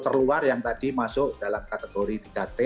terluar yang tadi masuk dalam kategori tiga t